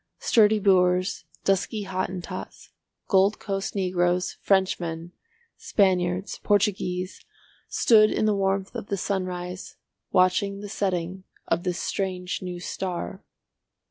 Sturdy Boers, dusky Hottentots, Gold Coast Negroes, Frenchmen, Spaniards, Portuguese, stood in the warmth of the sunrise watching the setting of this strange new star.